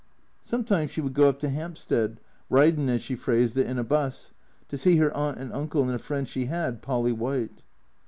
Sometimes she would go up to Hampstead, ridin', as she phrased it, in a bus, to see her Aunt and Uncle and a friend she had, Polly White.